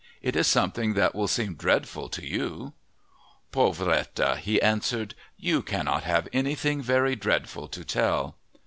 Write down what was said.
It is something that will seem dreadful to you." "Pauvrette," he answered, "you cannot have anything very dreadful to tell."